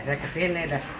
saya kesini dah